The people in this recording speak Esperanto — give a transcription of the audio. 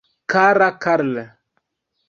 Kara Karl!